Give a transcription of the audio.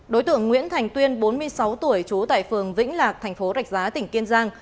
đối tượng nguyễn thành tuyên bốn mươi sáu tuổi trú tại phường vĩnh lạc thành phố rạch giá tỉnh kiên giang